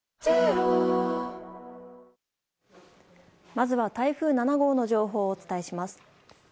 まずは台風７号の情報をお伝えします。